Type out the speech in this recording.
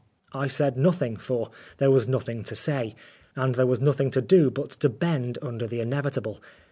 I said nothing, for there was nothing to say, and there was nothing to do but to bend under the inevitable.